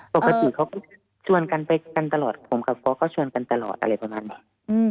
ปกติเขาก็ชวนกันไปกันตลอดผมกับฟอสก็ชวนกันตลอดอะไรประมาณนี้